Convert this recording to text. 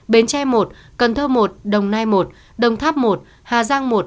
bến tre một cần thơ một đồng nai một đồng tháp một hà giang một